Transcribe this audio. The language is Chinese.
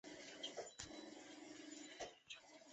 渐江和尚和石涛都曾在此居住。